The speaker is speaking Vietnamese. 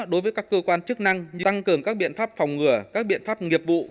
đối với các cơ quan chức năng tăng cường các biện pháp phòng ngừa các biện pháp nghiệp vụ